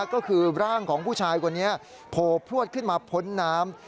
ก็คือร่างของผู้ชายคนนี้โผล่พลวดขึ้นมาพ้นน้ำ